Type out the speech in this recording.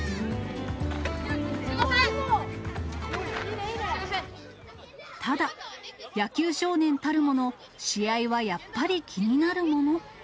ナイスボール、いいね、ただ、野球少年たるもの、試合はやっぱり気になるもの。